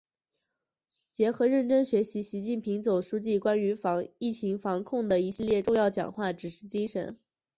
结合认真学习习近平总书记关于疫情防控的一系列重要讲话、指示精神